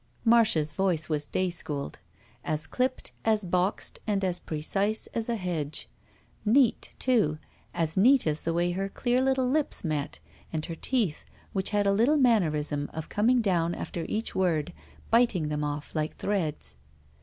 Marda's voice was day schooled. As clipped, as boxed, and as precise as a hedge. Neat, too, as neal^. as the way her dear Ups met, and her teeth, whidi had a little mannerism of cocoing down after eadi word, biting them off like threads.